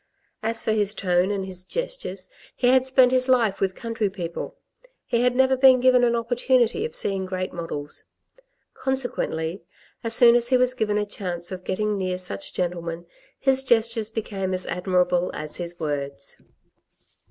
As for his tone and his gestures, he had spent his life with country people ; he had never been given an opportunity of seeing great models. Consequently, as soon as he was given a chance of getting near such gentlemen, his gestures became as admirable as his words.